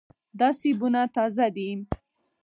دا سیبونه تازه دي.